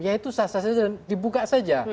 ya itu sasaran dibuka saja